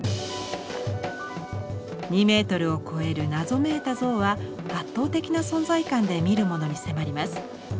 ２ｍを超える謎めいた像は圧倒的な存在感で見る者に迫ります。